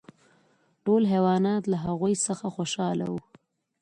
ټول حیوانات له هغوی څخه خوشحاله وو.